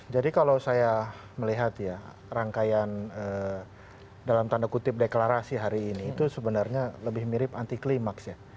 jadi kalau saya melihat ya rangkaian dalam tanda kutip deklarasi hari ini itu sebenarnya lebih mirip anti klimaks ya